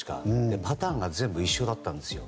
パターンが全部一緒だったんですよ。